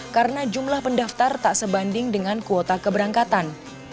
karena jumlah pendaftar tak sebanding dengan kuota keberangkatan